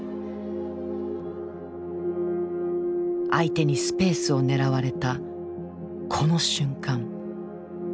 相手にスペースを狙われたこの瞬間。